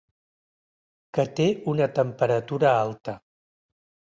Que té una temperatura alta.